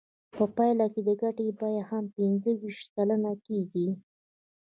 په پایله کې د ګټې بیه هم پنځه ویشت سلنه کېږي